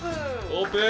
オープン！